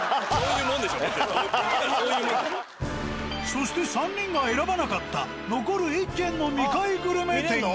そして３人が選ばなかった残る１軒の未開グルメ店が。